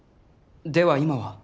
では今は？